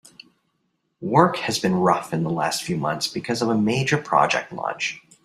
Work has been rough in the last few months because of a major project launch.